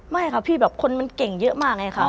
ไม่ค่ะพี่แบบคนมันเก่งเยอะมากไงคะ